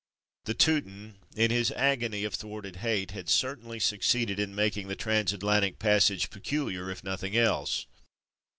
The Teuton, in his agony of thwarted hate, had certainly succeeded in making the trans Atlantic passage peculiar, if nothing else.